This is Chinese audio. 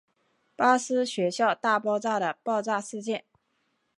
巴斯学校大爆炸的爆炸事件。